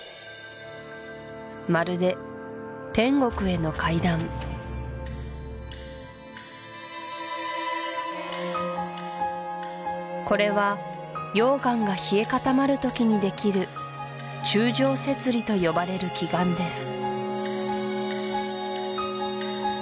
まるでこれは溶岩が冷え固まる時にできる柱状節理と呼ばれる奇岩です